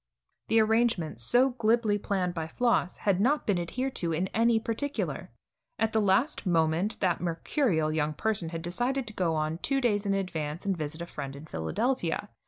The arrangements, so glibly planned by Floss, had not been adhered to in any particular. At the last moment that mercurial young person had decided to go on two days in advance and visit a friend in Philadelphia.